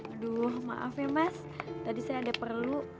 aduh maaf ya mas tadi saya ada perlu